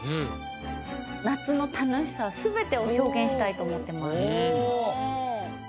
夏の楽しさすべてを表現したいと思ってます。